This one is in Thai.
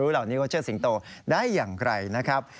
รู้เหล่านี้ว่าเชื่อสิงโตได้อย่างใกล้นะครับ